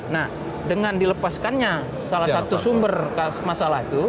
nah dengan dilepaskannya salah satu sumber masalah itu